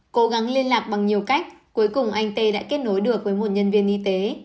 cố gắng liên lạc bằng nhiều cách cuối cùng anh tê đã kết nối được với một nhân viên y tế